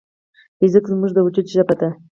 فزیک زموږ د وجود ژبه ده.